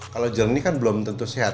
kalau jernih kan belum tentu sehat